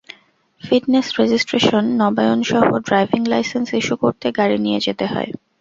Fitness, registration নবায়নসহ driving licence issue করতে গাড়ি নিয়ে যেতে হয়।